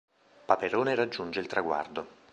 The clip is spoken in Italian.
Paperone raggiunge il traguardo.